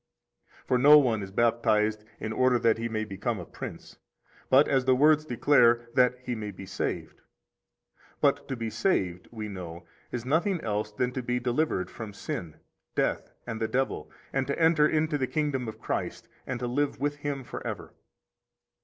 For no one is baptized in order that he may become a prince, but, as the words declare, that he be saved. 25 But to be saved, we know, is nothing else than to be delivered from sin, death, and the devil, and to enter into the kingdom of Christ, and to live with Him forever.